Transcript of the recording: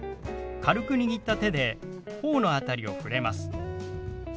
軽く握った手で頬の辺りを触れます。